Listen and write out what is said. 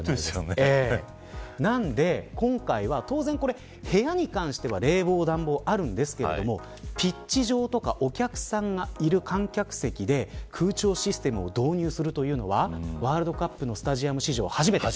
なので、今回は当然、部屋に関しては冷房、暖房あるんですがピッチ上やお客さんがいる観客席で空調システムを導入するというのはワールドカップのスタジアム史上初めて。